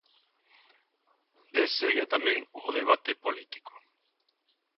E segue tamén o debate político.